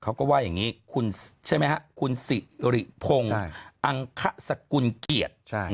เขาก็ว่าอย่างนี้คุณสิริพงศ์อังขสกุลเกียรติ